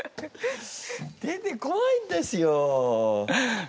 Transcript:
出てこないんですよ。